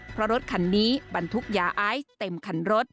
เพราะรถคันนี้บรรทุกยาไอซ์เต็มคันรถ